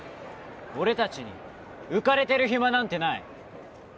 俺たちに浮かれてる暇なんてない。